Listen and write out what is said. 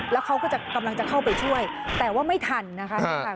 แล้วเขาก็จะกำลังจะเข้าไปช่วยแต่ว่าไม่ทันนะคะ